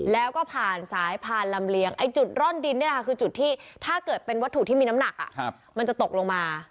แล้วก็ผ่านสายผ่านลำเลียงไอ้จุดร่อนดินนี่แหละค่ะคือจุดที่ถ้าเกิดเป็นวัตถุที่มีน้ำหนักมันจะตกลงมา